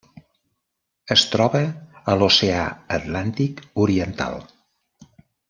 Es troba a l'Oceà Atlàntic oriental: